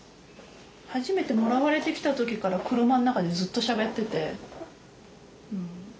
初めてもらわれてきた時から車の中でずっとしゃべってて。